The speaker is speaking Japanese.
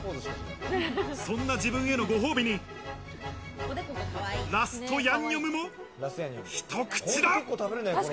そんな自分へのご褒美に、ラストヤンニョムも、ひと口だ！